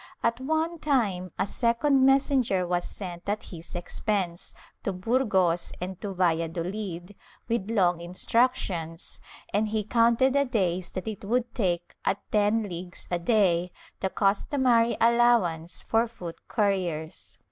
At one time a second messenger was sent at his expense, to Burgos and to Valladolid, with long instructions, and he counted the days that it would take at ten leagues a day, the customary allowance for foot couriers.